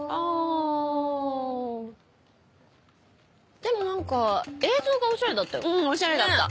でも何か映像がオシャレだったよ。